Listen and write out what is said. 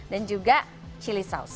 dan juga chili sauce